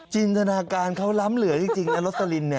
จินตนาการเขาล้ำเหลือจริงนะโรสลิน